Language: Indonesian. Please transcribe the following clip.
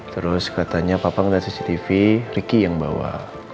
terus katanya papa ngeliat cctv ricky yang bawa